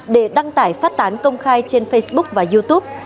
để đăng tải phát tán công khai trên facebook và youtube